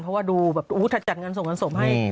เพราะว่าดูแบบอู้จัดงานศพงานศพให้